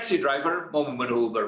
siapa yang ingin membunuh uber